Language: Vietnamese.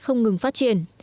không ngừng phát triển